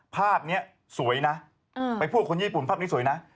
ภาพนี้สวยนะไปพูดคนญี่ปุ่นภาพนี้สวยนะ